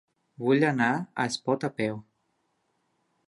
Vull anar a Espot a peu.